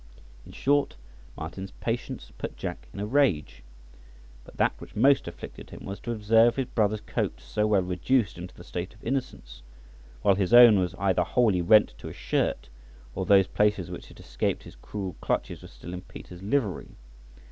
In short, Martin's patience put Jack in a rage; but that which most afflicted him was to observe his brother's coat so well reduced into the state of innocence, while his own was either wholly rent to his shirt, or those places which had escaped his cruel clutches were still in Peter's livery.